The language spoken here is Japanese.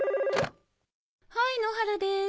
はい野原でーす。